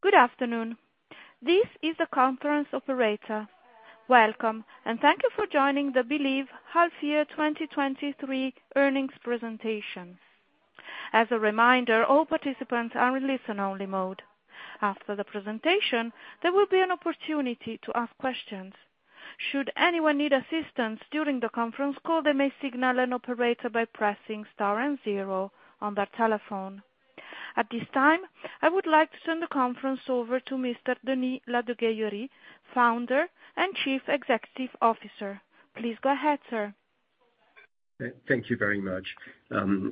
Good afternoon. This is the conference operator. Welcome, and thank you for joining the Believe half year 2023 earnings presentation. As a reminder, all participants are in listen-only mode. After the presentation, there will be an opportunity to ask questions. Should anyone need assistance during the conference call, they may signal an operator by pressing star and zero on their telephone. At this time, I would like to turn the conference over to Mr. Denis Ladegaillerie, Founder and Chief Executive Officer. Please go ahead, sir. Thank you very much.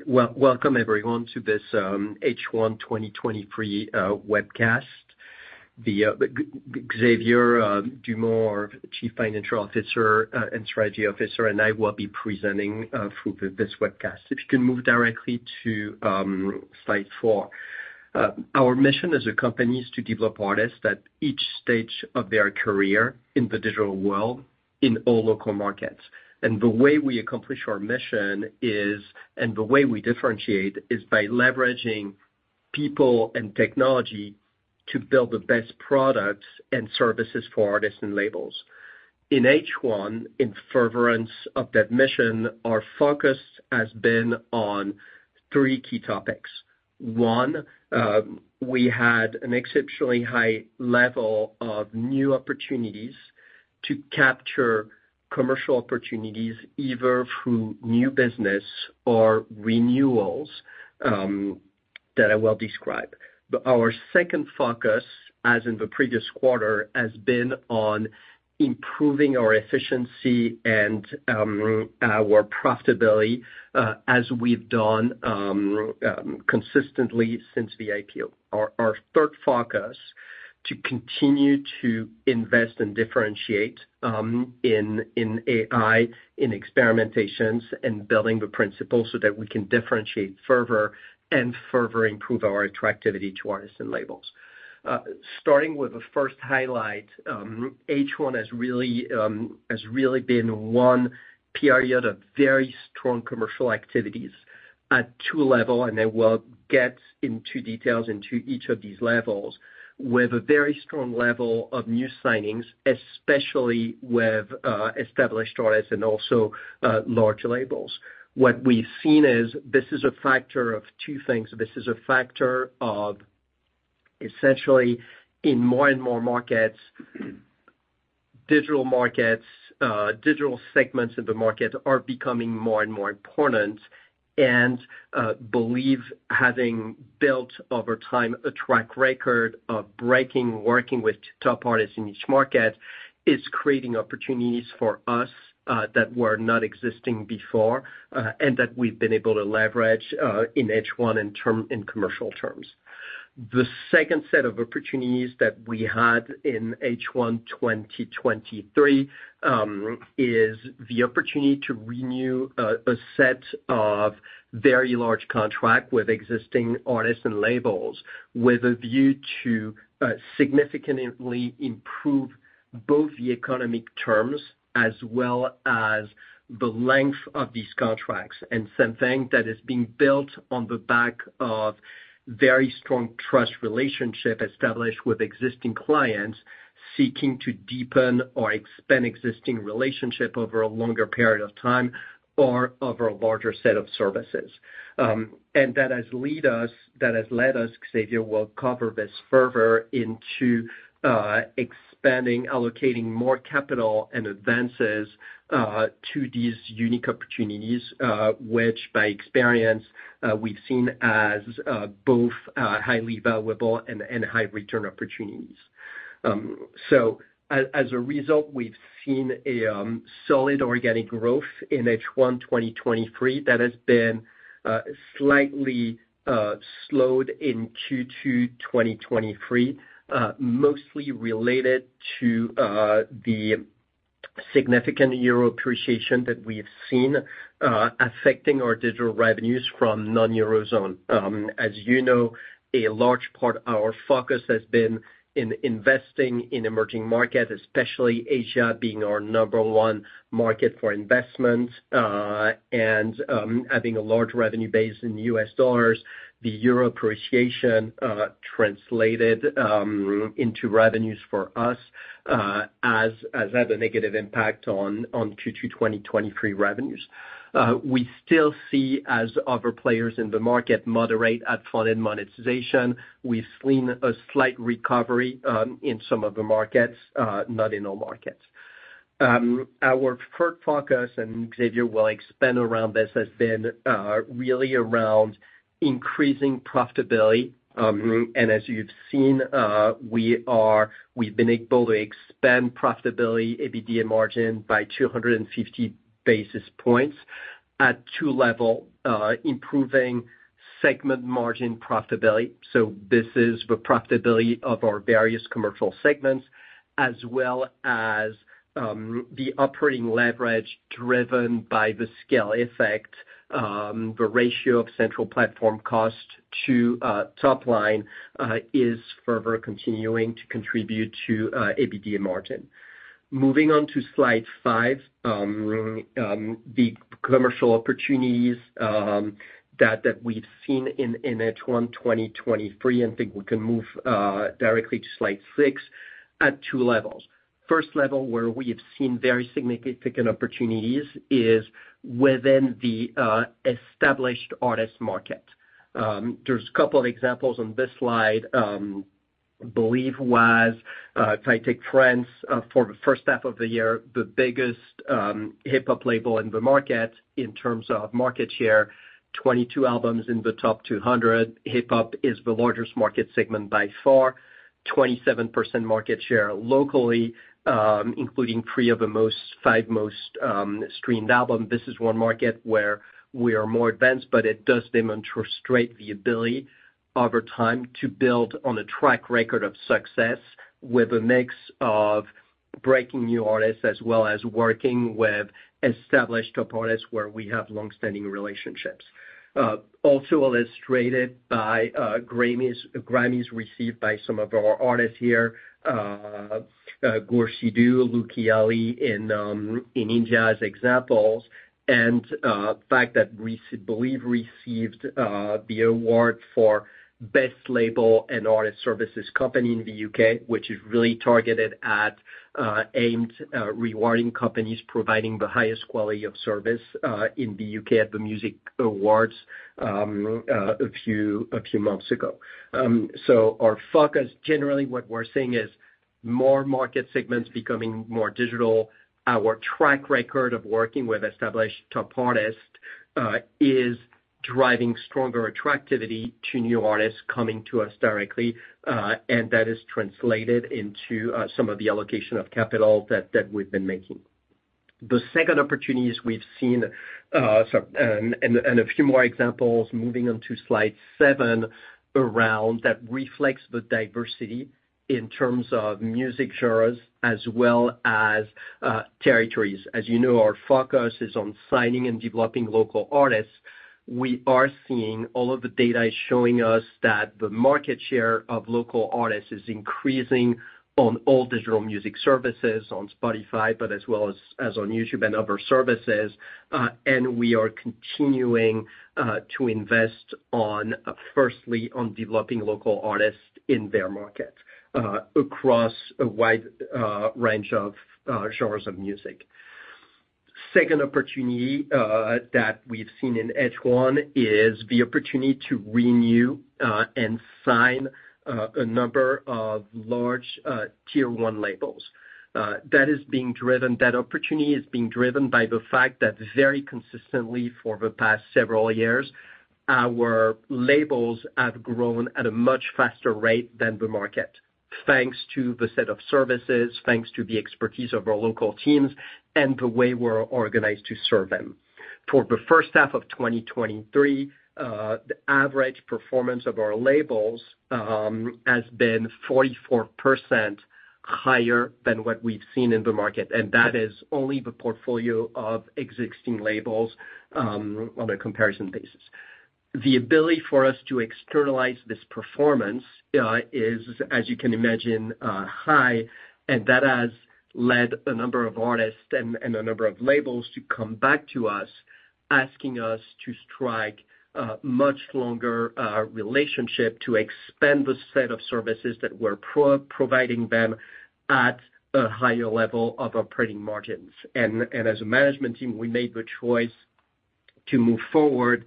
Welcome everyone to this H1 2023 webcast. Xavier Dumont, Chief Financial Officer and Strategy Officer, and I will be presenting through this webcast. If you can move directly to slide 4. Our mission as a company is to develop artists at each stage of their career in the digital world, in all local markets. The way we accomplish our mission is, and the way we differentiate, is by leveraging people and technology to build the best products and services for artists and labels. In H1, in furtherance of that mission, our focus has been on three key topics. One, we had an exceptionally high level of new opportunities to capture commercial opportunities, either through new business or renewals that I will describe. Our second focus, as in the previous quarter, has been on improving our efficiency and our profitability, as we've done consistently since the IPO. Our third focus, to continue to invest and differentiate, in AI, in experimentations, and building the principles so that we can differentiate further and further improve our attractivity to artists and labels. Starting with the first highlight, H1 has really been one period of very strong commercial activities at two level, and I will get into details into each of these levels, with a very strong level of new signings, especially with established artists and also large labels. What we've seen is this is a factor of two things. This is a factor of essentially in more and more markets, digital markets, digital segments in the market are becoming more and more important. Believe having built over time a track record of breaking, working with top artists in each market, is creating opportunities for us that were not existing before, and that we've been able to leverage in H1 in commercial terms. The second set of opportunities that we had in H1 2023 is the opportunity to renew a set of very large contract with existing artists and labels, with a view to significantly improve both the economic terms as well as the length of these contracts. Something that is being built on the back of very strong trust relationship established with existing clients, seeking to deepen or expand existing relationship over a longer period of time, or over a larger set of services. That has led us, Xavier will cover this further, into expanding, allocating more capital and advances to these unique opportunities, which by experience, we've seen as both highly valuable and high return opportunities. As a result, we've seen a solid organic growth in H1 2023, that has been slightly slowed in Q2 2023, mostly related to the significant euro appreciation that we have seen, affecting our digital revenues from non-euro zone. As you know, a large part, our focus has been in investing in emerging markets, especially Asia, being our number one market for investment, and having a large revenue base in US dollars, the euro appreciation translated into revenues for us, has had a negative impact on Q2 2023 revenues. We still see as other players in the market moderate ad-funded monetization, we've seen a slight recovery in some of the markets, not in all markets. Our third focus, and Xavier will expand around this, has been really around increasing profitability. And as you've seen, we've been able to expand profitability, EBITDA and margin, by 250 basis points at two level, improving segment margin profitability. This is the profitability of our various commercial segments, as well as the operating leverage driven by the scale effect. The ratio of Central Platform cost to top line is further continuing to contribute to Adjusted EBITDA and margin. Moving on to slide 5. The commercial opportunities that we've seen in H1 2023, and think we can move directly to slide 6. at 2 levels. First level, where we have seen very significant opportunities, is within the established artist market. There's a couple of examples on this slide. Believe was, if I take France, for the first half of the year, the biggest hip-hop label in the market in terms of market share, 22 albums in the top 200. Hip-hop is the largest market segment by far, 27% market share locally, including five most streamed album. This is one market where we are more advanced, but it does demonstrate the ability over time to build on a track record of success with a mix of breaking new artists, as well as working with established top artists where we have long-standing relationships. Also illustrated by Grammys, Grammys received by some of our artists here, Gur Sidhu, Lucky Ali, and in India as examples. The fact that Believe received the award for Best Label and Artist Services Company in the UK, which is really targeted at, aimed, rewarding companies providing the highest quality of service, in the UK at the Music Awards, a few, a few months ago. Our focus, generally, what we're seeing is more market segments becoming more digital. Our track record of working with established top artists is driving stronger attractivity to new artists coming to us directly, and that is translated into some of the allocation of capital that, that we've been making. The second opportunities we've seen. A few more examples, moving on to slide 7, around that reflects the diversity in terms of music genres as well as territories. As you know, our focus is on signing and developing local artists. We are seeing all of the data is showing us that the market share of local artists is increasing on all digital music services, on Spotify, but as well as, as on YouTube and other services. We are continuing to invest on, firstly, on developing local artists in their market, across a wide range of genres of music. Second opportunity that we've seen in H1 is the opportunity to renew and sign a number of large tier one labels. That opportunity is being driven by the fact that very consistently for the past several years, our labels have grown at a much faster rate than the market, thanks to the set of services, thanks to the expertise of our local teams and the way we're organized to serve them. For the first half of 2023, the average performance of our labels has been 44% higher than what we've seen in the market, and that is only the portfolio of existing labels on a comparison basis. The ability for us to externalize this performance is, as you can imagine, high, and that has led a number of artists and a number of labels to come back to us, asking us to strike a much longer relationship, to expand the set of services that we're providing them at a higher level of operating margins. As a management team, we made the choice to move forward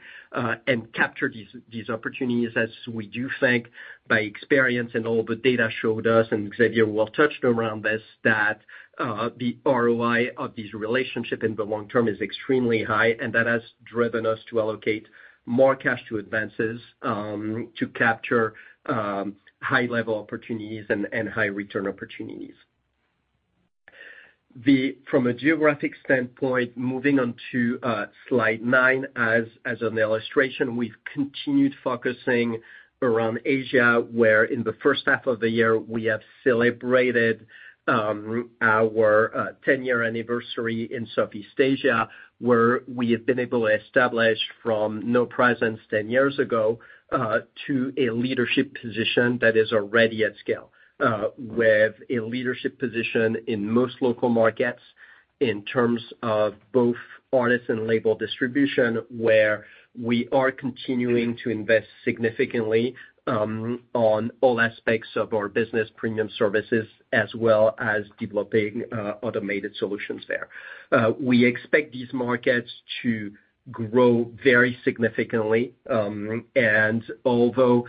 and capture these opportunities, as we do think by experience and all the data showed us, and Xavier well touched around this, that the ROI of this relationship in the long term is extremely high, and that has driven us to allocate more cash to advances to capture high-level opportunities and high-return opportunities. From a geographic standpoint, moving on to slide 9, as, as an illustration, we've continued focusing around Asia, where in the first half of the year, we have celebrated our 10-year anniversary in Southeast Asia, where we have been able to establish from no presence 10 years ago to a leadership position that is already at scale. With a leadership position in most local markets in terms of both artists and label distribution, where we are continuing to invest significantly on all aspects of our business premium services, as well as developing Automated Solutions there. We expect these markets to grow very significantly and although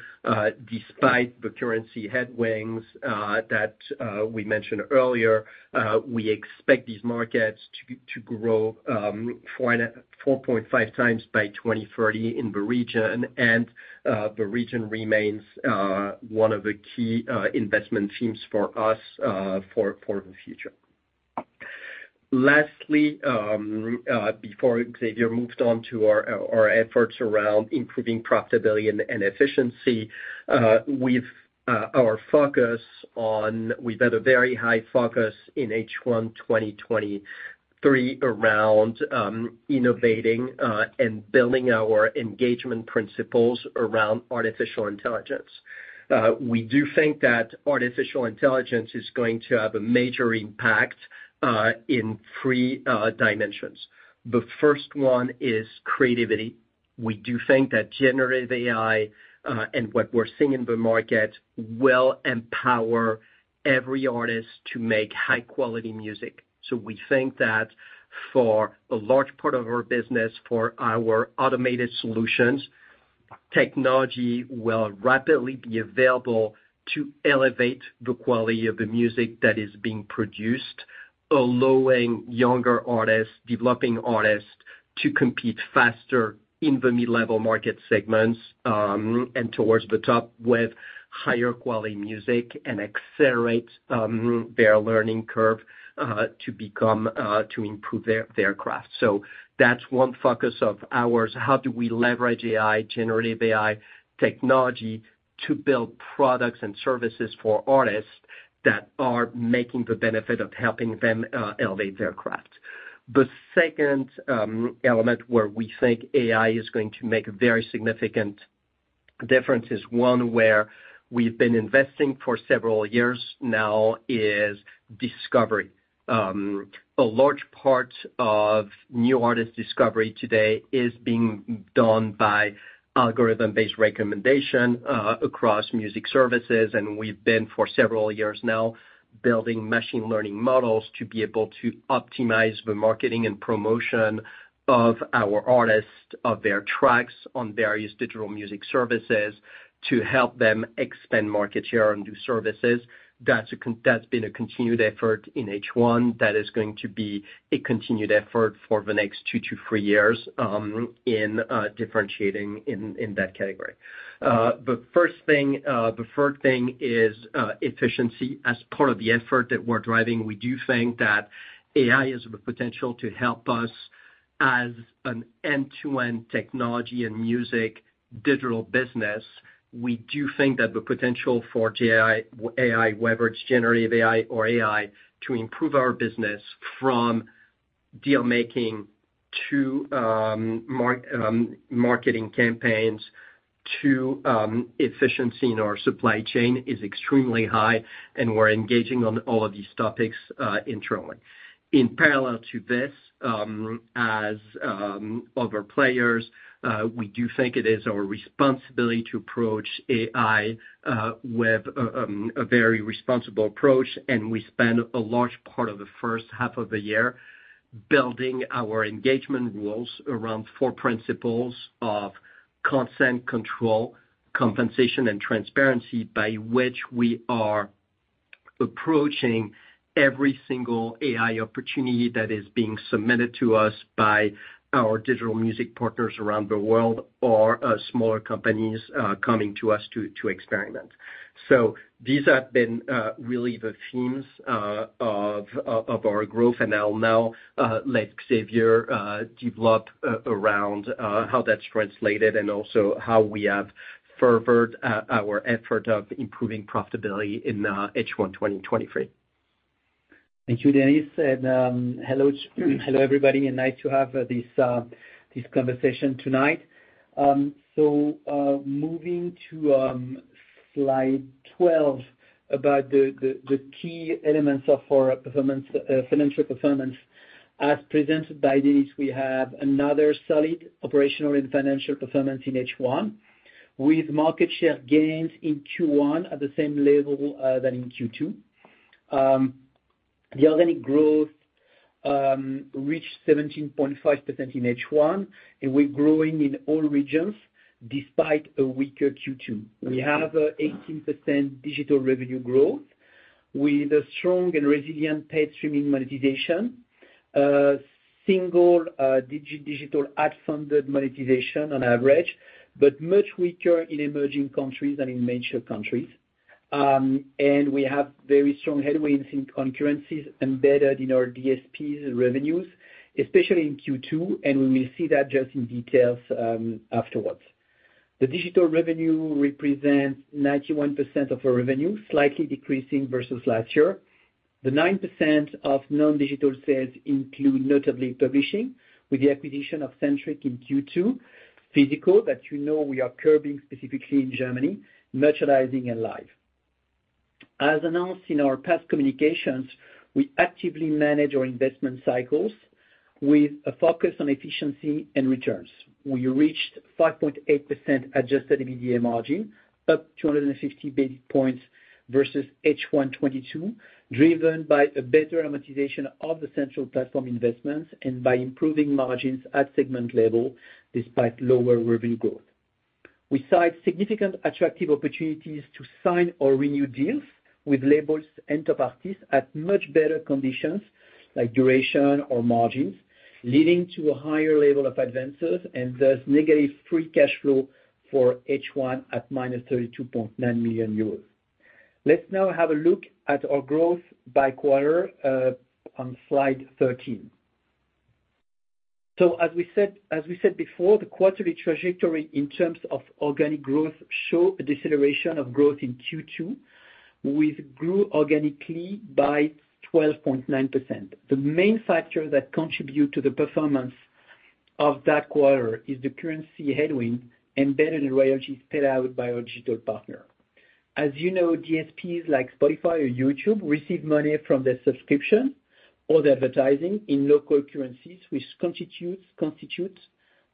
despite the currency headwinds that we mentioned earlier, we expect these markets to, to grow four and. 4.5 times by 2030 in the region. The region remains one of the key investment themes for us for the future. Lastly, before Xavier moves on to our efforts around improving profitability and efficiency, we've our focus on-- We've had a very high focus in H1 2023 around innovating and building our engagement principles around artificial intelligence. We do think that artificial intelligence is going to have a major impact in 3 dimensions. The first one is creativity. We do think that generative AI, and what we're seeing in the market will empower every artist to make high-quality music. We think that for a large part of our business, for our Automated Solutions, technology will rapidly be available to elevate the quality of the music that is being produced, allowing younger artists, developing artists, to compete faster in the mid-level market segments and towards the top with higher quality music and accelerate their learning curve to become to improve their, their craft. That's one focus of ours, how do we leverage AI, generative AI technology, to build products and services for artists that are making the benefit of helping them elevate their craft. The second element where we think AI is going to make a very significant difference is one where we've been investing for several years now, is discovery. A large part of new artist discovery today is being done by algorithm-based recommendation across music services, and we've been, for several years now, building machine learning models to be able to optimize the marketing and promotion of our artists, of their tracks on various digital music services, to help them expand market share on new services. That's been a continued effort in H1. That is going to be a continued effort for the next two to three years in differentiating in that category. The first thing, the first thing is efficiency. As part of the effort that we're driving, we do think that AI has the potential to help us as an end-to-end technology and music digital business. We do think that the potential for AI, whether it's generative AI or AI, to improve our business from deal making to marketing campaigns, to efficiency in our supply chain, is extremely high, and we're engaging on all of these topics internally. In parallel to this, as other players, we do think it is our responsibility to approach AI with a very responsible approach, and we spent a large part of the first half of the year building our engagement rules around four principles of consent, control, compensation, and transparency, by which we are approaching every single AI opportunity that is being submitted to us by our digital music partners around the world or smaller companies coming to us to experiment. These have been really the themes of our growth. I'll now let Xavier develop around how that's translated and also how we have furthered our effort of improving profitability in H1 2023. Thank you, Denis. Hello, hello everybody, and nice to have this conversation tonight. Moving to slide 12, about the key elements of our performance, financial performance. As presented by Denis, we have another solid operational and financial performance in H1, with market share gains in Q1 at the same level than in Q2. The organic growth reached 17.5% in H1, and we're growing in all regions despite a weaker Q2. We have 18% digital revenue growth with a strong and resilient paid streaming monetization, single digital ad-funded monetization on average, but much weaker in emerging countries than in mature countries. And we have very strong headwinds in currencies embedded in our DSPs revenues, especially in Q2, and we will see that just in details afterwards. The digital revenue represents 91% of our revenue, slightly decreasing versus last year. The 9% of non-digital sales include notably publishing, with the acquisition of Sentric in Q2, physical, that you know we are curbing specifically in Germany, merchandising and live. As announced in our past communications, we actively manage our investment cycles with a focus on efficiency and returns. We reached 5.8% Adjusted EBITDA margin, up 250 basis points versus H1 2022, driven by a better amortization of the Central Platform investments and by improving margins at segment level despite lower revenue growth. We signed significant attractive opportunities to sign or renew deals with labels and top artists at much better conditions, like duration or margins, leading to a higher level of advances and thus negative free cash flow for H1 at -32.9 million euros. Let's now have a look at our growth by quarter on slide 13. As we said, as we said before, the quarterly trajectory in terms of organic growth show a deceleration of growth in Q2. We've grew organically by 12.9%. The main factor that contribute to the performance of that quarter is the currency headwind embedded in royalties paid out by our digital partner. As you know, DSPs like Spotify or YouTube receive money from their subscription or the advertising in local currencies, which constitutes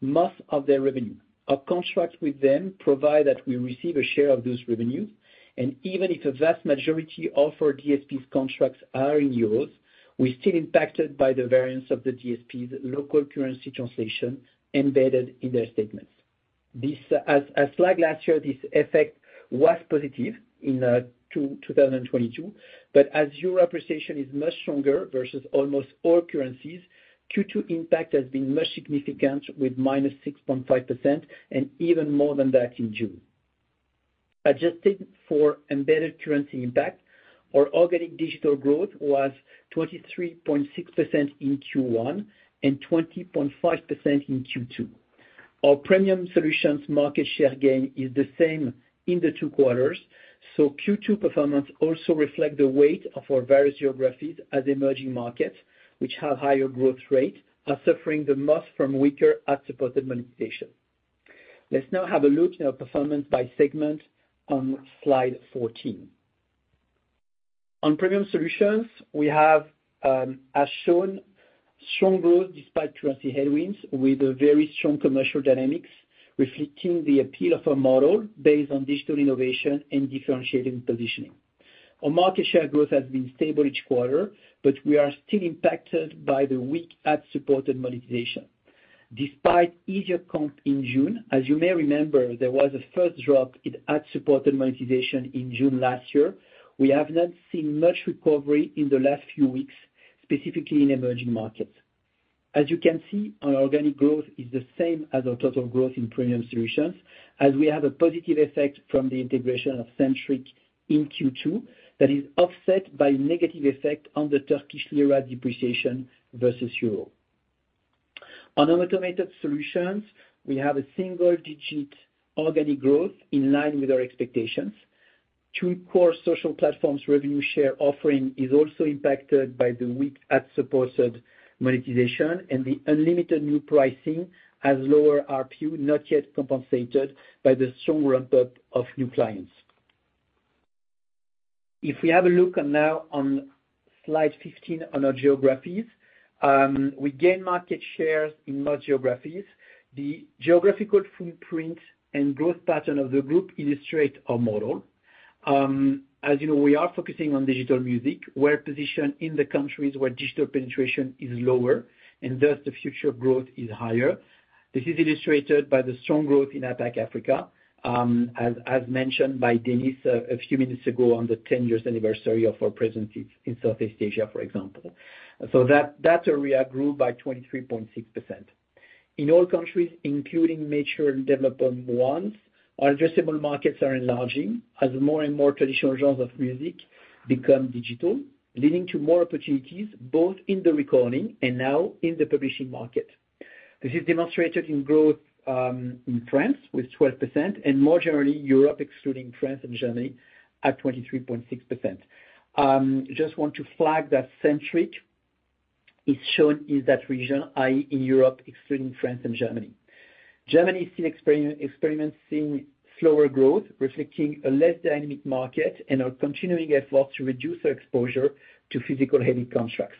most of their revenue. Our contracts with them provide that we receive a share of this revenue, and even if a vast majority offer DSPs contracts are in euros, we're still impacted by the variance of the DSP's local currency translation embedded in their statements. This, as, as flagged last year, this effect was positive in 2022, As euro appreciation is much stronger versus almost all currencies, Q2 impact has been much significant, with -6.5%, and even more than that in June. Adjusted for embedded currency impact, our organic digital growth was 23.6% in Q1 and 20.5% in Q2. Our Premium Solutions market share gain is the same in the two quarters, Q2 performance also reflect the weight of our various geographies as emerging markets, which have higher growth rate, are suffering the most from weaker ad-supported monetization. Let's now have a look at our performance by segment on Slide 14. On Premium Solutions, we have, as shown, strong growth despite currency headwinds, with very strong commercial dynamics, reflecting the appeal of our model based on digital innovation and differentiating positioning. Our market share growth has been stable each quarter, but we are still impacted by the weak ad-supported monetization. Despite easier comp in June, as you may remember, there was a first drop in ad-supported monetization in June last year. We have not seen much recovery in the last few weeks, specifically in emerging markets. As you can see, our organic growth is the same as our total growth in Premium Solutions, as we have a positive effect from the integration of Sentric in Q2, that is offset by negative effect on the Turkish lira depreciation versus euro. On our Automated Solutions, we have a single-digit organic growth in line with our expectations. TuneCore social platforms revenue share offering is also impacted by the weak ad-supported monetization. The Unlimited new pricing has lower RPU, not yet compensated by the strong ramp-up of new clients. If we have a look now on Slide 15 on our geographies, we gain market shares in most geographies. The geographical footprint and growth pattern of the group illustrate our model. As you know, we are focusing on digital music, where position in the countries where digital penetration is lower. Thus, the future growth is higher. This is illustrated by the strong growth in APAC Africa, as mentioned by Denis a few minutes ago, on the 10-year anniversary of our presence in Southeast Asia, for example. That area grew by 23.6%. In all countries, including mature and developing ones, our addressable markets are enlarging as more and more traditional genres of music become digital, leading to more opportunities both in the recording and now in the publishing market. This is demonstrated in growth in France, with 12%, and more generally, Europe, excluding France and Germany, at 23.6%. Just want to flag that Sentric is shown in that region, i.e., in Europe, excluding France and Germany. Germany is still experiencing slower growth, reflecting a less dynamic market and our continuing effort to reduce our exposure to physical-heavy contracts.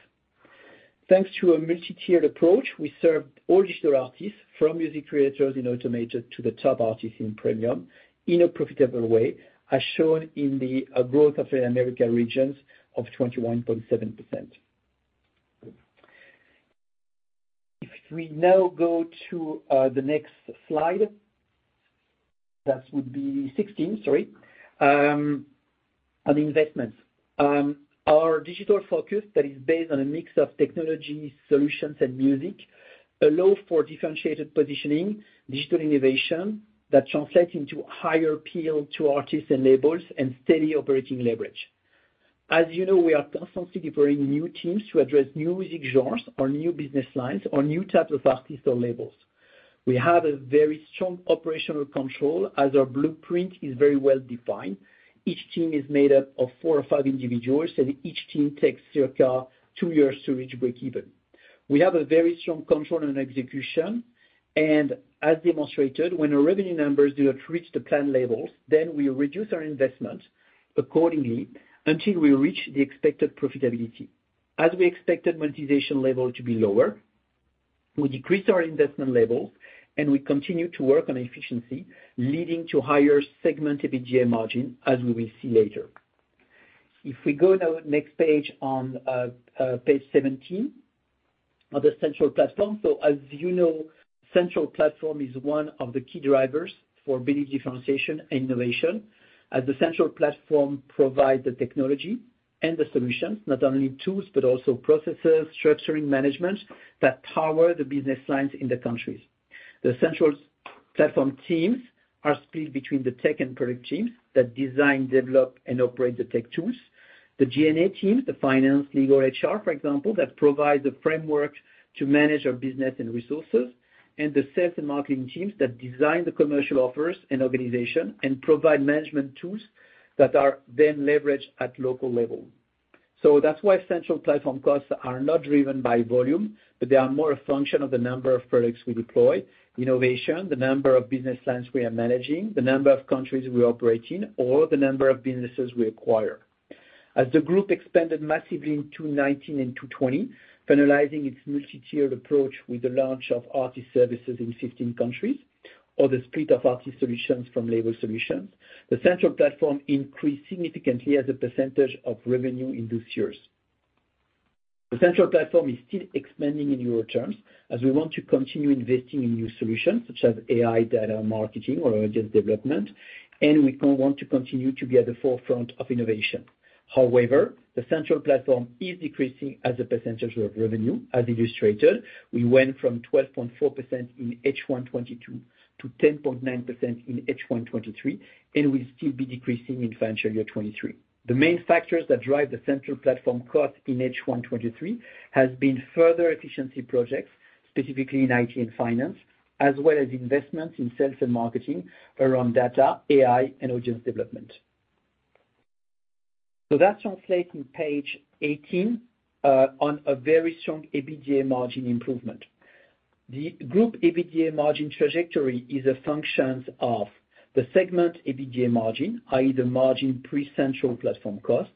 Thanks to a multi-tiered approach, we serve all digital artists, from music creators in Automated to the top artists in Premium, in a profitable way, as shown in the growth of the American regions of 21.7%. If we now go to the next slide, that would be 16, sorry, on investments. Our digital focus that is based on a mix of technology, solutions, and music allow for differentiated positioning, digital innovation that translates into higher appeal to artists and labels and steady operating leverage. As you know, we are constantly delivering new teams to address new music genres or new business lines or new types of artists or labels. We have a very strong operational control, as our blueprint is very well defined. Each team is made up of 4 or 5 individuals, and each team takes circa two years to reach breakeven. We have a very strong control and execution, and as demonstrated, when our revenue numbers do not reach the planned levels, then we reduce our investment accordingly until we reach the expected profitability. As we expected monetization level to be lower, we decreased our investment levels, and we continue to work on efficiency, leading to higher segment EBITDA margin, as we will see later. If we go now next page, on page 17, on the Central Platform. As you know, Central Platform is one of the key drivers for business differentiation and innovation, as the Central Platform provides the technology and the solutions, not only tools, but also processes, structuring management, that power the business lines in the countries. The Central Platform teams are split between the tech and product teams that design, develop, and operate the tech tools. The G&A teams, the finance, legal, HR, for example, that provide the framework to manage our business and resources, and the sales and marketing teams that design the commercial offers and organization, and provide management tools that are then leveraged at local level. That's why Central Platform costs are not driven by volume, but they are more a function of the number of products we deploy, innovation, the number of business lines we are managing, the number of countries we operate in, or the number of businesses we acquire. As the group expanded massively in 2019 and 2020, finalizing its multi-tiered approach with the launch of Artist Services in 15 countries, or the split of Artist Solutions from Label Solutions, the Central Platform increased significantly as a percentage of revenue in those years. The Central Platform is still expanding in euro terms, as we want to continue investing in new solutions such as AI, data marketing or artist development, we want to continue to be at the forefront of innovation. The Central Platform is decreasing as a percentage of revenue. As illustrated, we went from 12.4% in H1 2022 to 10.9% in H1 2023, will still be decreasing in financial year 2023. The main factors that drive the Central Platform cost in H1 2023 has been further efficiency projects, specifically in IT and finance, as well as investments in sales and marketing around data, AI, and audience development. That translates in page 18 on a very strong EBITDA margin improvement. The group EBITDA margin trajectory is a functions of the segment EBITDA margin, i.e., the margin pre-Central Platform cost.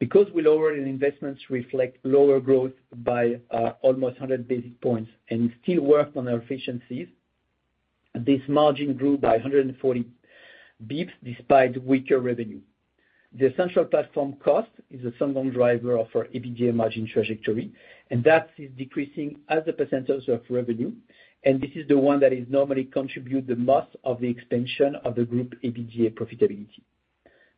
Because we lowered investments reflect lower growth by almost 100 basis points and still work on our efficiencies, this margin grew by 140 bips, despite weaker revenue. The Central Platform cost is a strong driver of our EBITDA margin trajectory, and that is decreasing as a % of revenue, and this is the one that is normally contribute the most of the expansion of the group EBITDA profitability.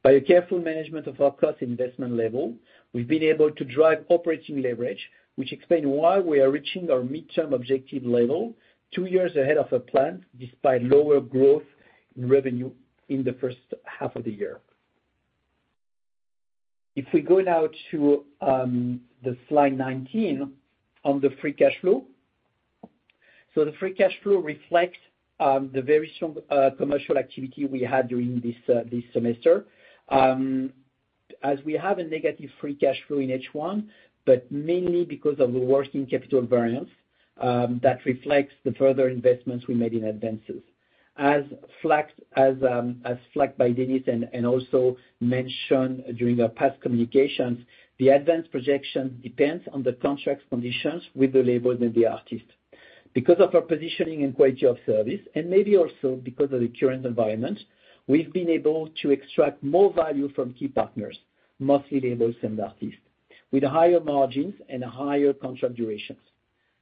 By a careful management of our cost investment level, we've been able to drive operating leverage, which explain why we are reaching our midterm objective level two years ahead of a plan, despite lower growth in revenue in the first half of the year. If we go now to the slide 19 on the free cash flow. The free cash flow reflects the very strong commercial activity we had during this semester. As we have a negative free cash flow in H1, but mainly because of the working capital variance that reflects the further investments we made in advances. As flagged, as flagged by Denis and also mentioned during our past communications, the advance projection depends on the contract conditions with the labels and the artists. Because of our positioning and quality of service, and maybe also because of the current environment, we've been able to extract more value from key partners, mostly labels and artists, with higher margins and higher contract durations.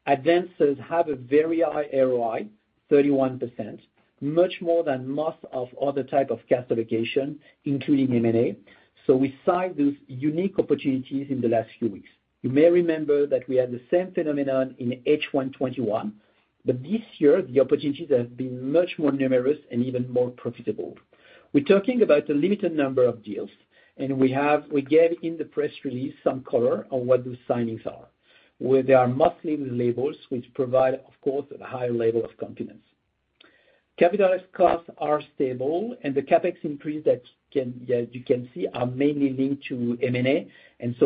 Advances have a very high ROI, 31%, much more than most of other type of cash allocation, including M&A. We signed those unique opportunities in the last few weeks. You may remember that we had the same phenomenon in H1 2021. This year, the opportunities have been much more numerous and even more profitable. We're talking about a limited number of deals, and we gave in the press release, some color on what those signings are, where they are mostly with labels, which provide, of course, a higher level of confidence. Capital costs are stable. The CapEx increase that can, as you can see, are mainly linked to M&A.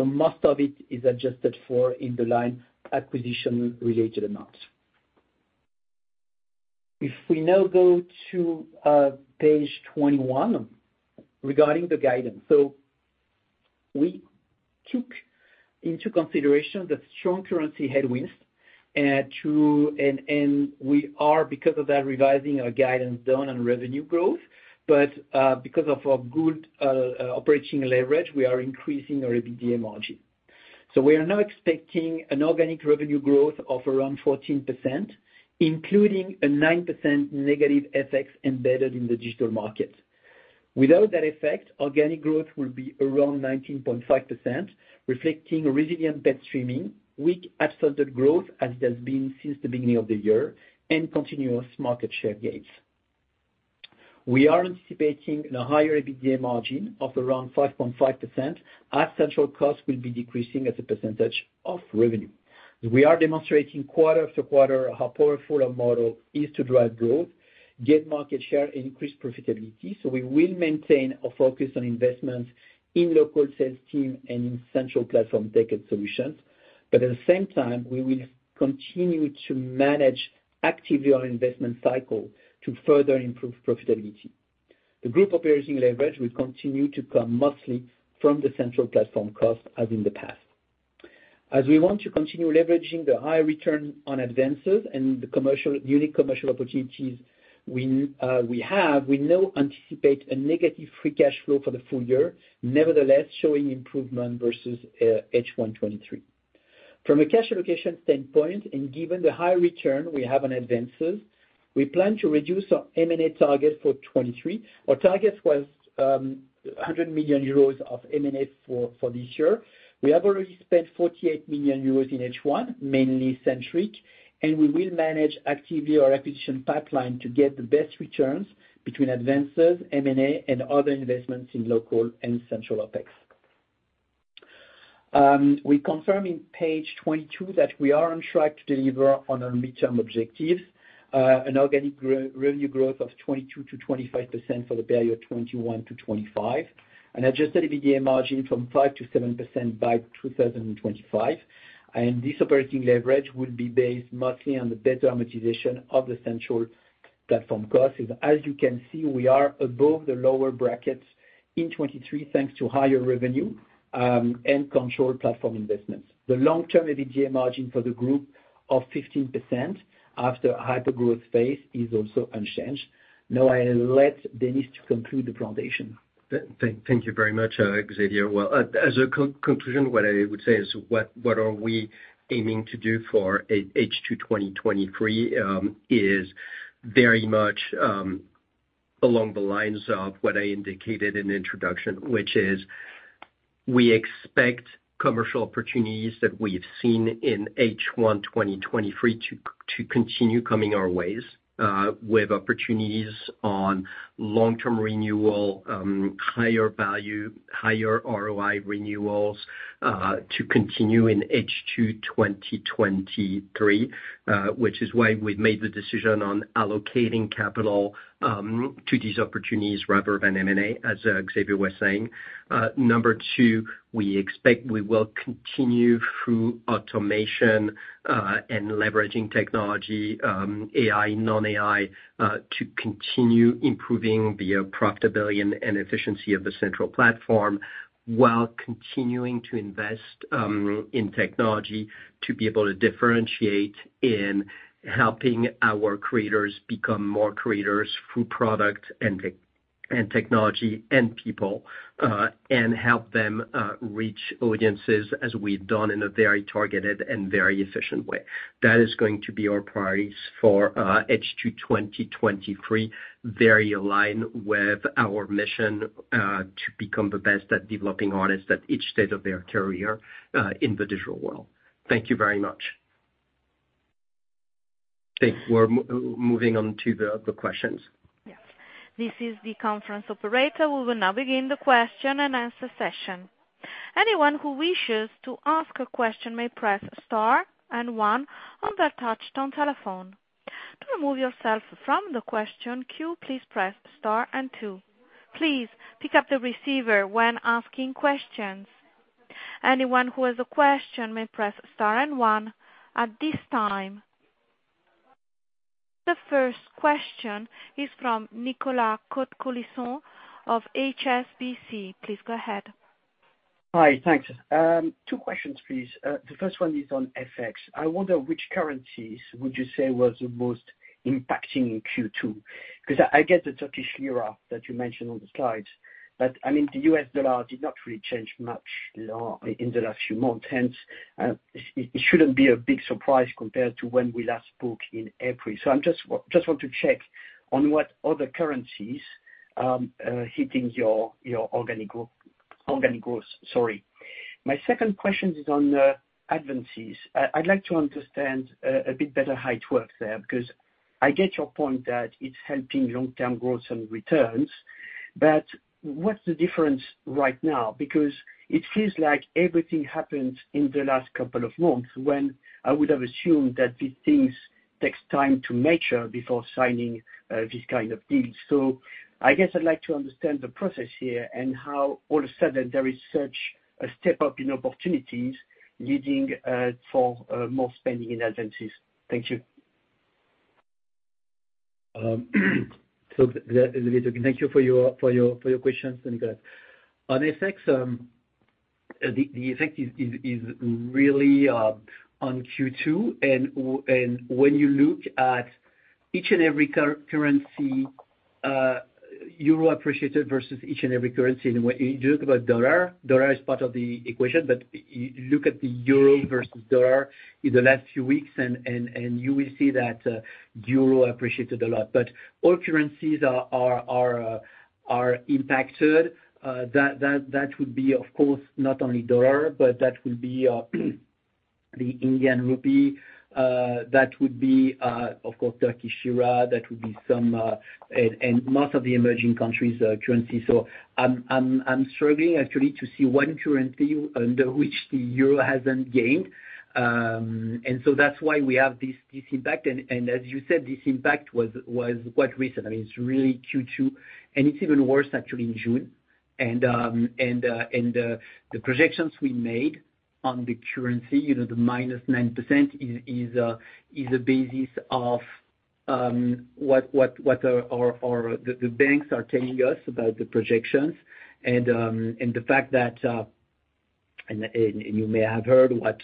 Most of it is adjusted for in the line acquisition related amounts. If we now go to page 21, regarding the guidance. We took into consideration the strong currency headwinds. We are, because of that, revising our guidance down on revenue growth. Because of our good operating leverage, we are increasing our EBITDA margin. We are now expecting an organic revenue growth of around 14%, including a 9% negative FX embedded in the digital market. Without that effect, organic growth will be around 19.5%, reflecting resilient paid streaming, weak absolute growth, as it has been since the beginning of the year, and continuous market share gains. We are anticipating a higher EBITDA margin of around 5.5%, as central costs will be decreasing as a percentage of revenue. We are demonstrating quarter after quarter how powerful our model is to drive growth, gain market share, and increase profitability. We will maintain a focus on investments in local sales team and in central platform tech and solutions. At the same time, we will continue to manage actively our investment cycle to further improve profitability. The group operating leverage will continue to come mostly from the Central Platform cost, as in the past. As we want to continue leveraging the high return on advances and the commercial, unique commercial opportunities we have, we now anticipate a negative free cash flow for the full year. Nevertheless, showing improvement versus H1 2023. From a cash allocation standpoint, and given the high return we have on advances, we plan to reduce our M&A target for 2023. Our target was 100 million euros of M&A for this year. We have already spent 48 million euros in H1, mainly Sentric, and we will manage actively our acquisition pipeline to get the best returns between advances, M&A, and other investments in local and Central OpEx. We confirm in page 22 that we are on track to deliver on our midterm objectives, an organic gr- revenue growth of 22%-25% for the period of 2021-2025, an Adjusted EBITDA margin from 5%-7% by 2025. This operating leverage will be based mostly on the better amortization of the Central Platform costs. As you can see, we are above the lower brackets in 2023, thanks to higher revenue and controlled platform investments. The long-term EBITDA margin for the group of 15% after hyper-growth phase is also unchanged. Now, I let Dennis to conclude the presentation. Thank you very much, Xavier. Well, as a conclusion, what I would say is, what are we aiming to do for H2 2023, is very much along the lines of what I indicated in the introduction, which is we expect commercial opportunities that we've seen in H1 2023 to continue coming our ways, with opportunities on long-term renewal, higher value, higher ROI renewals to continue in H2 2023, which is why we've made the decision on allocating capital to these opportunities rather than M&A, as Xavier was saying. 2, we expect we will continue through automation and leveraging technology, AI, non-AI, to continue improving the profitability and, and efficiency of the Central Platform, while continuing to invest in technology, to be able to differentiate in helping our creators become more creators through product and tech- and technology and people, and help them reach audiences as we've done in a very targeted and very efficient way. That is going to be our priorities for H2 2023, very aligned with our mission to become the best at developing artists at each state of their career in the digital world. Thank you very much. Okay, we're moving on to the, the questions. Yes. This is the conference operator. We will now begin the question and answer session. Anyone who wishes to ask a question may press star and one on their touchtone telephone. To remove yourself from the question queue, please press star and two. Please pick up the receiver when asking questions. Anyone who has a question may press star and one. At this time, the first question is from Nicolas Cote-Colisson of HSBC. Please go ahead. Hi, thanks. two questions, please. The first one is on FX. I wonder which currencies would you say was the most impacting in Q2? Because I, I get the Turkish lira that you mentioned on the slides, but, I mean, the US dollar did not really change much in the last few months, hence, it shouldn't be a big surprise compared to when we last spoke in April. I'm just want to check on what other currencies hitting your organic growth. Sorry. My second question is on advances. I'd like to understand a bit better how it works there, because I get your point that it's helping long-term growth and returns, but what's the difference right now? It feels like everything happened in the last couple of months, when I would have assumed that these things takes time to mature before signing this kind of deal. I guess I'd like to understand the process here and how all of a sudden there is such a step up in opportunities leading for more spending in advances. Thank you. Thank you for your, for your, for your questions, Nicolas. On FX, the effect is, is, is really on Q2, and when you look at each and every currency, Euro appreciated versus each and every currency, and when you talk about Dollar, Dollar is part of the equation, but look at the Euro versus Dollar in the last few weeks, and you will see that Euro appreciated a lot. All currencies are, are, are, are impacted. That would be, of course, not only Dollar, but that would be the Indian rupee, that would be, of course, Turkish lira, that would be some, and most of the emerging countries, currency. I'm struggling actually to see one currency under which the Euro hasn't gained. So that's why we have this, this impact. As you said, this impact was, was quite recent. I mean, it's really Q2, it's even worse actually in June. The projections we made on the currency, you know, the minus 9% is a basis of what our the banks are telling us about the projections. The fact that you may have heard what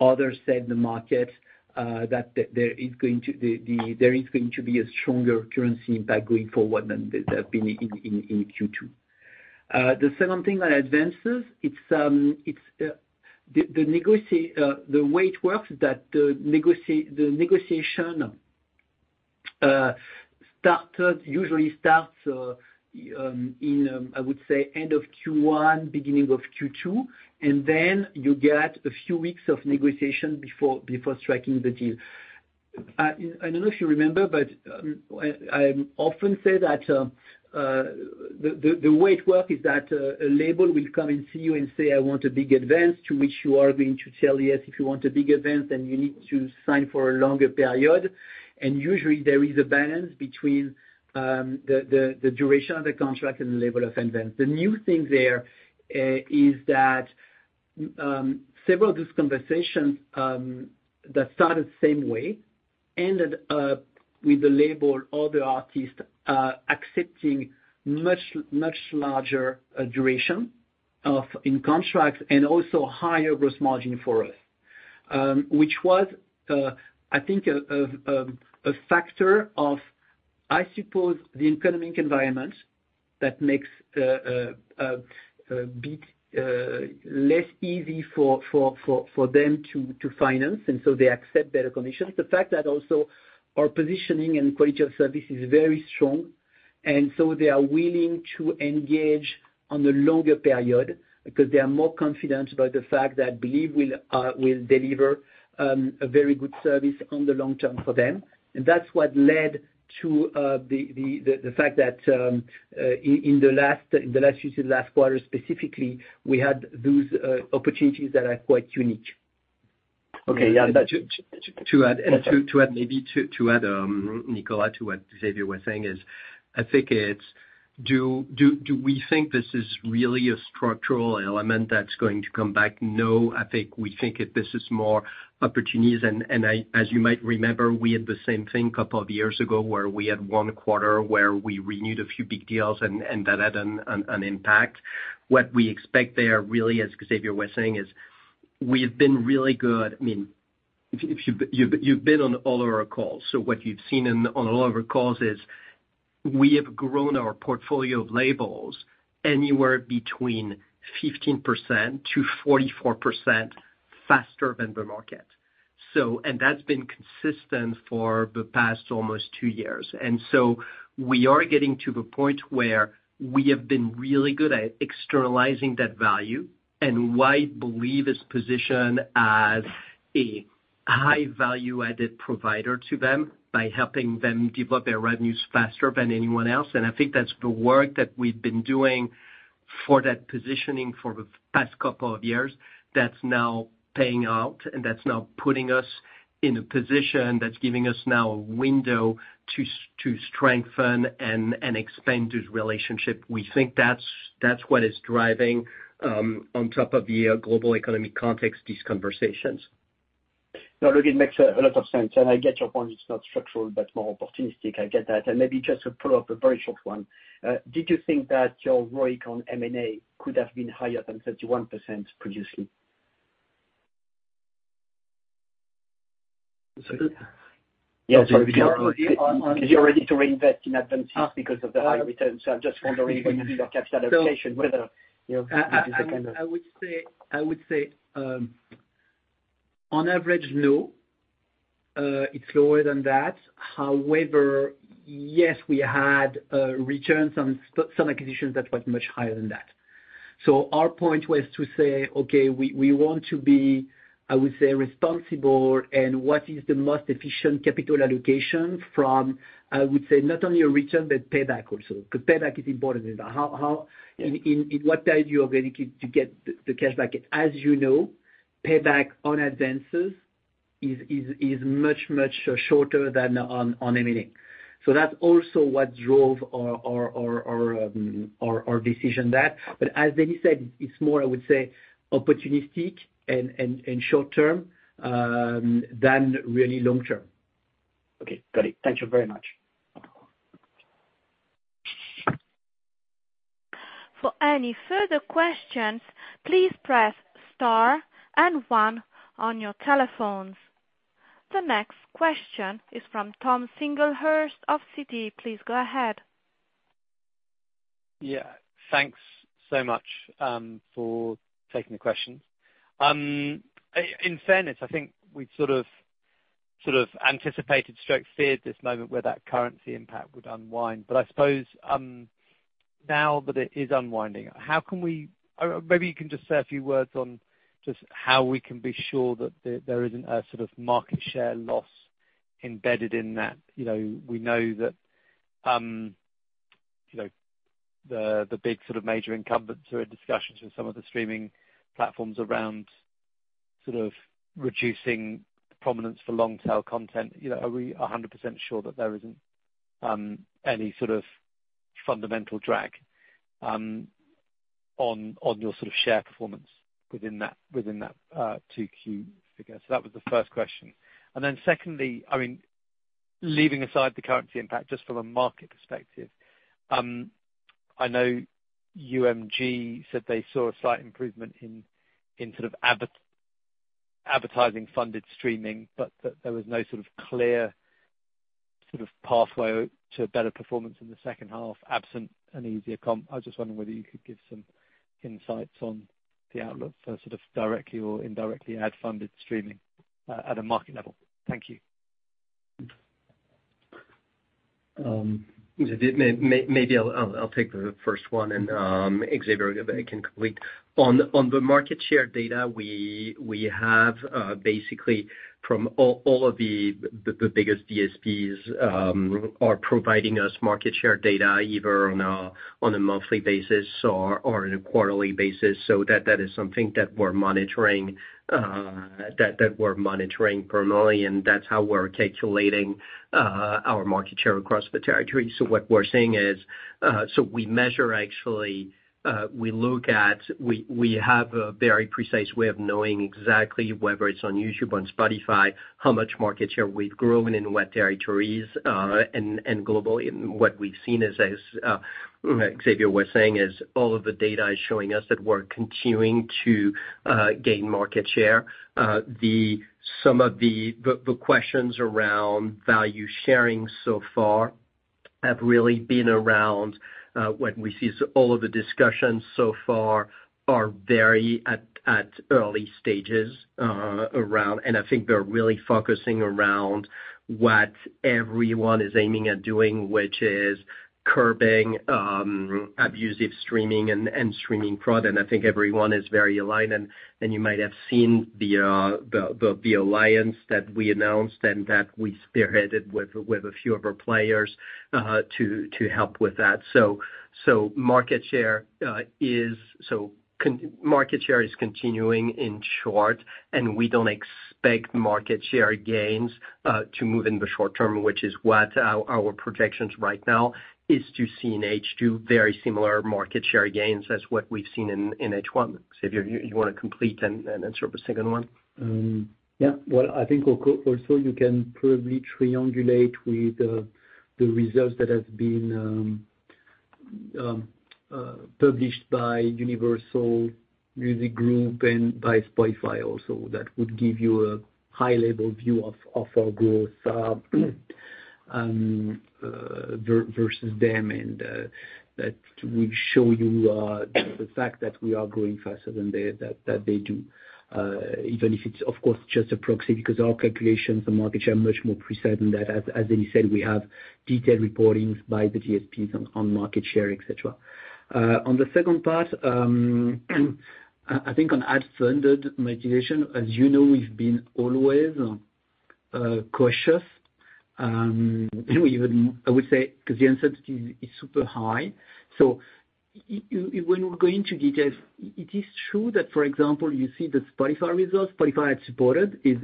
others said in the market that there is going to be a stronger currency impact going forward than there have been in Q2. The second thing on advances, it's, it's the, the negotia- the way it works is that the negotia- the negotiation started, usually starts in, I would say, end of Q1, beginning of Q2, and then you get a few weeks of negotiation before, before striking the deal. I, don't know if you remember, but I, often say that the, the, the way it work is that a label will come and see you and say, "I want a big advance," to which you are going to tell, "Yes, if you want a big advance, then you need to sign for a longer period." Usually, there is a balance between the, the, the duration of the contract and the level of advance. The new thing there is that several of these conversations that started the same way, ended up with the label or the artist accepting much, much larger duration of-- in contracts, and also higher gross margin for us. Which was, I think, a factor of, I suppose, the economic environment that makes a bit less easy for, for them to, to finance, and so they accept better conditions. The fact that also our positioning and quality of service is very strong, and so they are willing to engage on a longer period because they are more confident about the fact that Believe will deliver a very good service on the long term for them. That's what led to the fact that in the last, year, last quarter specifically, we had those opportunities that are quite unique. Okay, yeah. To add, and to add maybe to add, Nicolas, to what Xavier was saying is: I think it's, do we think this is really a structural element that's going to come back? No, I think we think it, this is more opportunities. As you might remember, we had the same thing couple of years ago, where we had one quarter where we renewed a few big deals and that had an impact. What we expect there, really, as Xavier was saying, is we have been really good. I mean, if you've been on all of our calls, so what you've seen on a lot of our calls is, we have grown our portfolio of labels anywhere between 15% to 44% faster than the market. That's been consistent for the past almost two years. We are getting to the point where we have been really good at externalizing that value, and why Believe is positioned as a high value-added provider to them by helping them develop their revenues faster than anyone else. I think that's the work that we've been doing for that positioning for the past couple of years that's now paying out, and that's now putting us in a position that's giving us now a window to strengthen and expand this relationship. We think that's, that's what is driving on top of the global economic context, these conversations. No, look, it makes a lot of sense, and I get your point. It's not structural, but more opportunistic. I get that. Maybe just to follow up, a very short one. Did you think that your ROIC on M&A could have been higher than 31% previously? One second. Yeah, sorry, because you're ready to reinvest in advances because of the high returns. I'm just wondering, when you do your capital allocation, whether, you know, this is the kind of- I, would say, I would say, on average, no. It's lower than that. However, yes, we had returns on some, some acquisitions that was much higher than that. Our point was to say, okay, we, want to be, I would say, responsible, and what is the most efficient capital allocation from, I would say, not only a return, but payback also? Because payback is important. How. Yeah. In what time you are going to get the cash back? As you know, payback on advances is much, much shorter than on M&A. That's also what drove our decision there. As Denis said, it's more, I would say, opportunistic and short term than really long term. Okay, got it. Thank you very much. For any further questions, please press star and one on your telephones. The next question is from Tom Singlehurst of Citi. Please go ahead. Yeah, thanks so much for taking the questions. In fairness, I think we've sort of, sort of anticipated, stroke, feared this moment where that currency impact would unwind. I suppose, now that it is unwinding, how can we... maybe you can just say a few words on just how we can be sure that there, there isn't a sort of market share loss embedded in that? You know, we know that, you know, the, the big sort of major incumbents who are in discussions with some of the streaming platforms around sort of reducing prominence for long tail content. You know, are we 100% sure that there isn't any sort of fundamental drag on, on your sort of share performance within that, within that, 2Q figure? That was the first question. Secondly, I mean, leaving aside the currency impact, just from a market perspective, I know UMG said they saw a slight improvement in, in sort of advertising-funded streaming, but that there was no sort of clear, sort of pathway to better performance in the second half, absent an easier comp. I was just wondering whether you could give some insights on the outlook for sort of directly or indirectly ad-funded streaming at a market level. Thank you.... maybe I'll, take the first one, and Xavier, if I can complete. On, on the market share data, we have basically from all, of the, biggest DSPs, are providing us market share data, either on a monthly basis or on a quarterly basis. That, is something that we're monitoring, that we're monitoring permanently, and that's how we're calculating our market share across the territory. What we're seeing is, so we measure actually, we have a very precise way of knowing exactly whether it's on YouTube, on Spotify, how much market share we've grown in what territories, and globally. What we've seen is, as Xavier was saying, is all of the data is showing us that we're continuing to gain market share. The, some of the, the, the questions around value sharing so far have really been around, when we see all of the discussions so far are very at early stages, around. I think they're really focusing around what everyone is aiming at doing, which is curbing abusive streaming and streaming fraud. I think everyone is very aligned, and you might have seen the alliance that we announced and that we spearheaded with, a few of our players, to help with that. Market share is continuing in short. We don't expect market share gains to move in the short term, which is what our, our projections right now, is to see in H2 very similar market share gains as what we've seen in, in H1. Xavier, you, you wanna complete and, and answer the second one? Yeah. Well, I think also, you can probably triangulate with the results that have been published by Universal Music Group and by Spotify also. That would give you a high-level view of, our growth ver- versus them, and that will show you the fact that we are growing faster than that, they do, even if it's, of course, just a proxy. Because our calculations for market share are much more precise than that. As, as Denis said, we have detailed reportings by the DSPs on market share, et cetera. On the second part, I, think on ad-funded monetization, as you know, we've been always cautious. You know, even I would say, because the uncertainty is super high. You, when we go into details, it is true that, for example, you see the Spotify results, Spotify ad-supported is,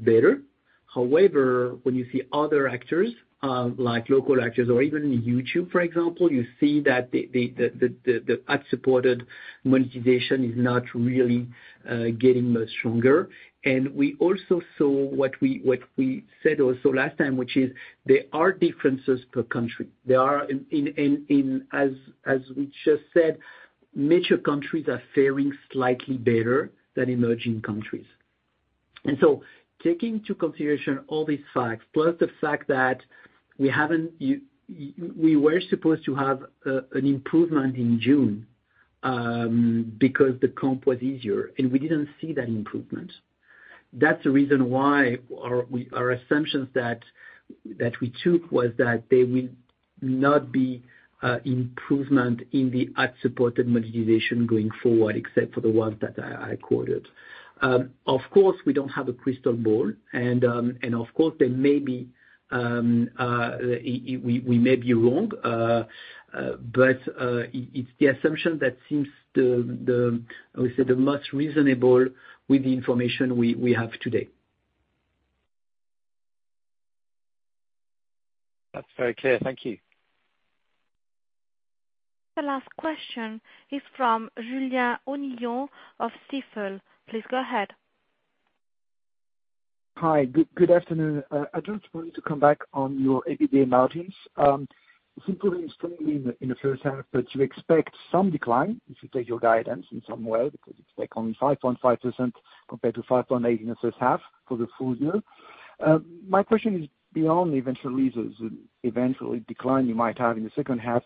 better. However, when you see other actors, like local actors or even YouTube, for example, you see that the ad-supported monetization is not really getting much stronger. We also saw what we, what we said also last time, which is there are differences per country. There are, as we just said, mature countries are faring slightly better than emerging countries. Taking into consideration all these facts, plus the fact that we haven't we were supposed to have an improvement in June, because the comp was easier, and we didn't see that improvement. That's the reason why our, we, our assumptions that, that we took was that there will not be, improvement in the ad-supported monetization going forward, except for the ones that I, I quoted. Of course, we don't have a crystal ball, and of course, there may be, we may be wrong. It's the assumption that seems the, the, I would say, the most reasonable with the information we, we have today. That's very clear. Thank you. The last question is from Giulia O'Neill of Stifel. Please go ahead. Hi, good, good afternoon. I just wanted to come back on your EBITDA margins. Improving strongly in the first half, but you expect some decline, if you take your guidance in some way, because it's like only 5.5% compared to 5.8% in the first half for the full year. My question is beyond eventually, eventually decline you might have in the second half,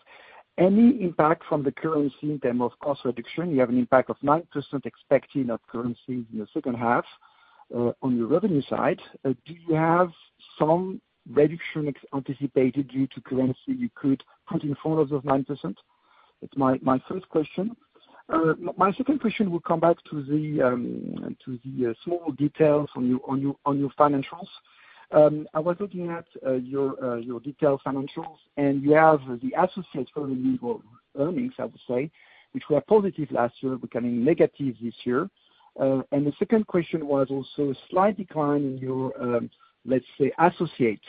any impact from the currency in term of cost reduction? You have an impact of 9% expecting of currency in the second half, on your revenue side. Do you have some reduction anticipated due to currency you could put in front of those 9%? That's my first question. My second question will come back to the small details on your, on your, on your financials. I was looking at, your, detailed financials, and you have the associates for renewable earnings, I would say, which were positive last year, becoming negative this year. The second question was also a slight decline in your, let's say, associate,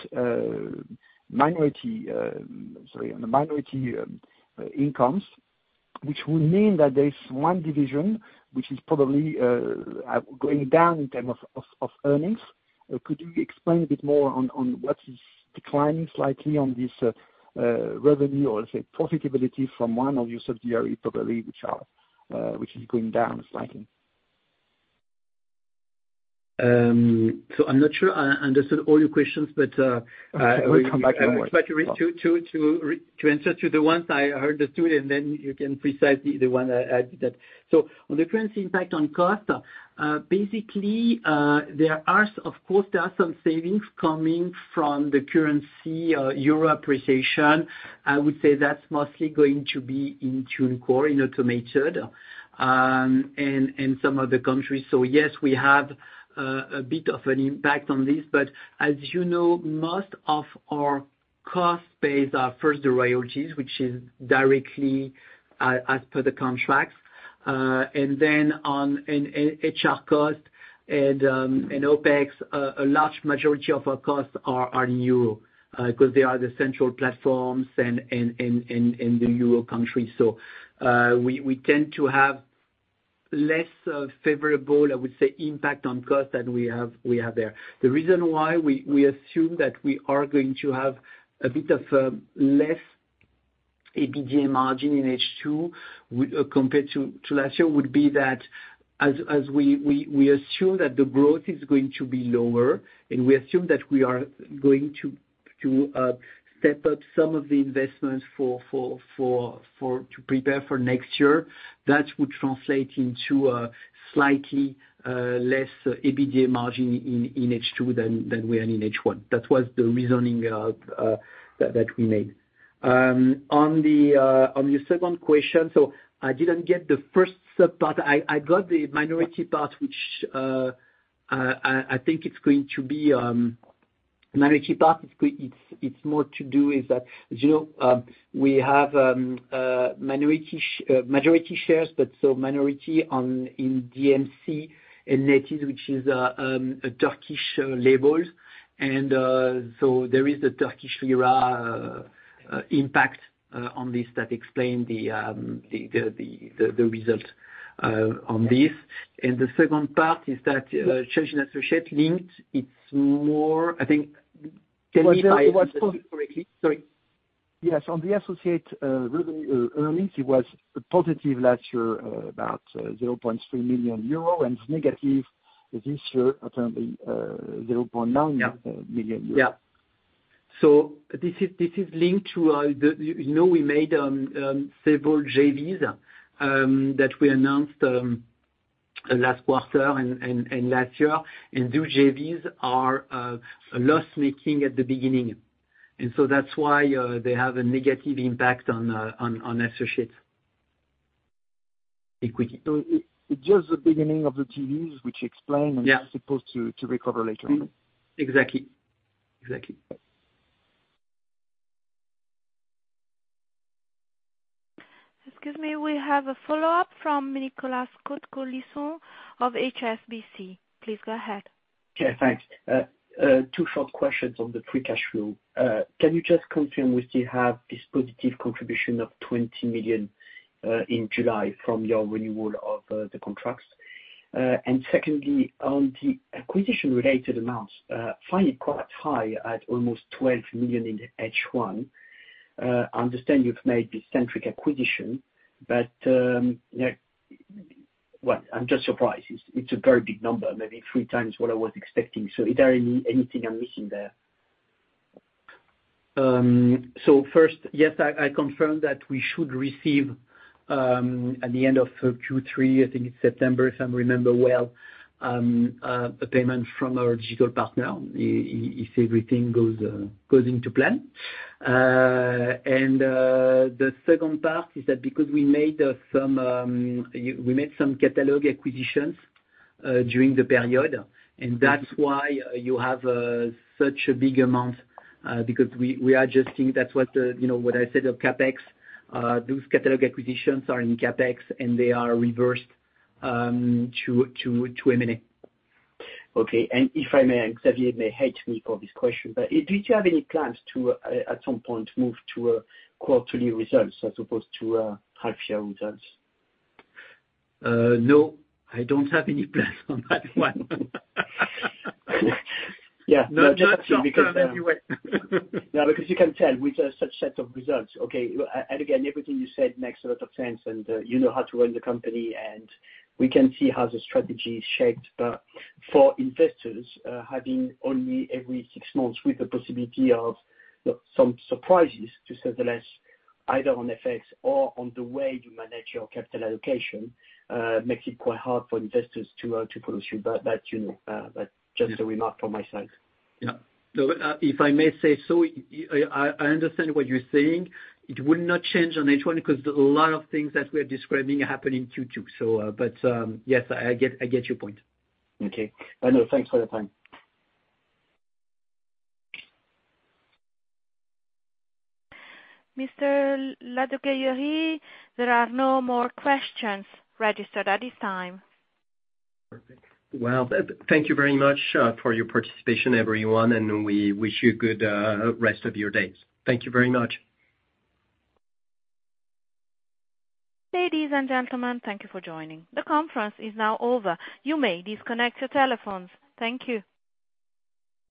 minority, sorry, on the minority, incomes, which would mean that there is one division which is probably, going down in terms of earnings. Could you explain a bit more on what is declining slightly on this, revenue or, let's say, profitability from one of your subsidiaries, probably, which are, which is going down slightly? I'm not sure I understood all your questions, but. I will come back anyway. I will try to re- to answer to the ones I heard the two, and then you can precise the one I did. On the currency impact on cost, basically, there are, of course, there are some savings coming from the currency, euro appreciation. I would say that's mostly going to be in TuneCore, in Automated, and some other countries. Yes, we have a bit of an impact on this, but as you know, most of our cost base are first the royalties, which is directly as per the contracts. Then on, in HR costs and, in OPEX, a large majority of our costs are in euro, 'cause they are the Central Platforms and the euro countries. We, we tend to have less of favorable, I would say, impact on cost than we have, we have there. The reason why we, we assume that we are going to have a bit of less ABGA margin in H2 compared to last year, would be that as we assume that the growth is going to be lower, and we assume that we are going to step up some of the investments for to prepare for next year, that would translate into a slightly less ABGA margin in H2 than, than we are in H1. That was the reasoning of that, that we made. On the, on your second question, I didn't get the first sub part. I, I got the minority part, which i think it's going to be, minority part, it's, it's more to do with that, as you know, we have, a minority, majority shares, but so minority on, in DMC and NetEase, which is, a Turkish, labels. So there is a Turkish lira impact on this that explain the result on this. The second part is that, change in associate linked, it's more, I think... Can you repeat correctly? Sorry. Yes, on the associate revenue earnings, it was positive last year, about 0.3 million euro and negative this year, apparently, 0.9. Yeah million EUR. Yeah. This is, this is linked to, the, you know, we made several JVs that we announced last quarter and last year. New JVs are loss-making at the beginning, that's why they have a negative impact on associates' equity. It, just the beginning of the JVs, which explain. Yeah. Supposed to recover later on. Exactly. Exactly. Excuse me, we have a follow-up from Nicolas Cote-Colisson of HSBC. Please go ahead. Yeah, thanks. Two short questions on the free cash flow. Can you just confirm we still have this positive contribution of $20 million in July from your renewal of the contracts? Secondly, on the acquisition-related amounts, find it quite high at almost $12 million in H1. I understand you've made the Sentric acquisition. Well, I'm just surprised. It's a very big number, maybe three times what I was expecting, so is there anything I'm missing there? First, yes, I, I confirm that we should receive at the end of Q3, I think it's September, if I remember well, a payment from our digital partner, if everything goes into plan. The second part is that because we made some catalog acquisitions during the period, and that's why you have such a big amount, because we are adjusting. That's what the, you know, what I said of CapEx. Those catalog acquisitions are in CapEx, and they are reversed to M&A. Okay. If I may, and Xavier may hate me for this question, but, do you have any plans to, at some point move to a quarterly results as opposed to, half-year results? No, I don't have any plans on that one. Yeah. No, just because. Yeah, because you can tell with such set of results. Again, everything you said makes a lot of sense, and you know how to run the company, and we can see how the strategy is shaped. For investors, having only every six months with the possibility of some surprises, to say the least, either on effects or on the way you manage your capital allocation, makes it quite hard for investors to follow you. That, you know, that's just a remark from my side. Yeah. If I may say so, I understand what you're saying. It would not change on H1, 'cause a lot of things that we're describing happen in Q2. Yes, I get, I get your point. Okay. I know. Thanks for the time. Mr. Ladegaillerie, there are no more questions registered at this time. Perfect. Well, thank you very much, for your participation, everyone, and we wish you a good, rest of your days. Thank you very much. Ladies and gentlemen, thank you for joining. The conference is now over. You may disconnect your telephones. Thank you.